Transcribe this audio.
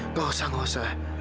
nggak usah nggak usah